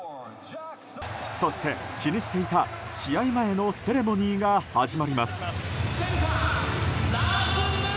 そして気にしていた、試合前のセレモニーが始まります。